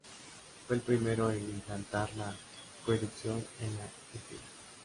Fue el primero en implantar la coeducación en la isla.